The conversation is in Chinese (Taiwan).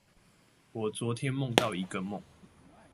我昨天夢到一個夢